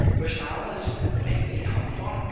Their style is mainly homophonic.